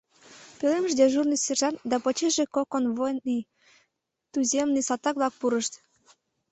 Пӧлемыш дежурный сержант да почешыже кок конвойный — туземный, салтак-влак — пурышт.